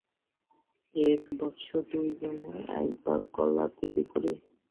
S বৎস, দুই জনে একবার কোলাকুলি করি।